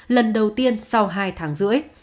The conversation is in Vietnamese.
lần đầu tiên sau hai tháng rưỡi